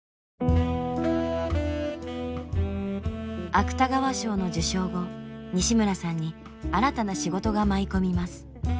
芥川賞の受賞後西村さんに新たな仕事が舞い込みます。